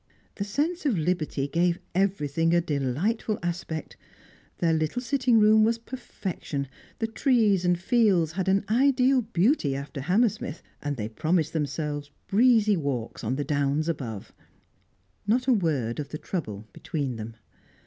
The sense of liberty gave everything a delightful aspect; their little sitting room was perfection; the trees and fields had an ideal beauty after Hammersmith, and they promised themselves breezy walks on the Downs above. Not a word of the trouble between them.